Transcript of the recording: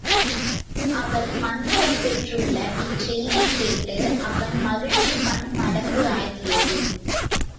அவள் மந்திரம் பெற்றுள்ள இச்செய்தி கேட்டு அவன் மகிழ்ச்சி பன் மடங்கு ஆகியது.